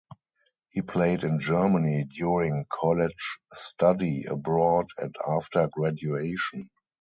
He played in Germany during college study abroad and after graduation.